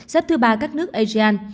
xếp thứ ba các nước asean